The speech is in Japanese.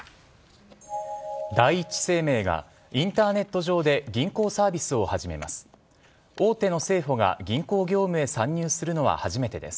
第一生命がインターネット上で銀行サービスを始めます。